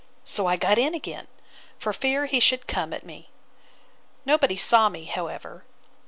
So I got in again, for fear he should come at me. Nobody saw me, however.